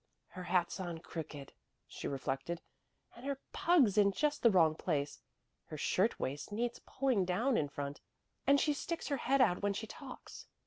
"Her hat's on crooked," she reflected, "and her pug's in just the wrong place. Her shirt waist needs pulling down in front and she sticks her head out when she talks.